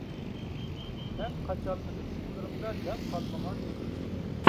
مەن قاچالمىدىم، پۇتلىرىمدا جان قالمىغان ئىدى.